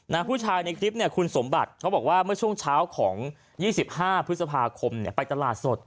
ผู้ชายในคลิปเนี่ยคุณสมบัติเขาบอกว่าเมื่อช่วงเช้าของ๒๕พฤษภาคมเนี่ยไปตลาดสด